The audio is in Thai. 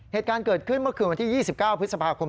เหตุการณ์เกิดขึ้นเมื่อคืนวันที่๒๙พฤษภาคม